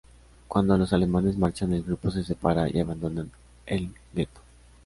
Cuando los alemanes marchan, el grupo se separa y abandonan el gueto.